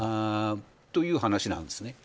いう話なんですね。